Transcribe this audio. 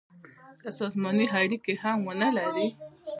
که سازماني اړیکي هم ونه لري.